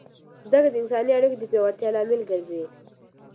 زده کړه د انساني اړیکو د پیاوړتیا لامل ګرځي.